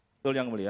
betul yang mulia